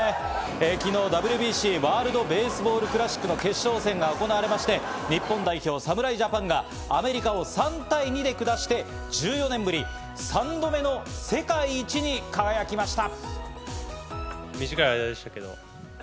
昨日、ＷＢＣ＝ワールド・ベースボール・クラシックの決勝戦が行われ、日本代表・侍ジャパンがアメリカを３対２で下して、１４年ぶり３回目の世界一に輝きました。